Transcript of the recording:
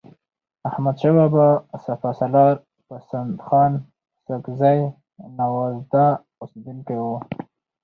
د احمدشاه بابا سپه سالارشاه پسندخان ساکزی د نوزاد اوسیدونکی وو.